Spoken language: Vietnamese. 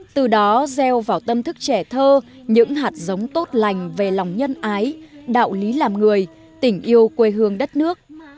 từ đó gieo vào tâm thức trẻ thơ những hạt giống tốt lành về lòng nhân ái đạo lý làm người tình yêu quê hương đất nước